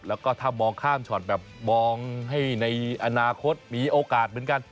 แล้วก็ถ้ามองข้ามช็อตแบบมองให้ในอนาคตมีโอกาสเหมือนกัน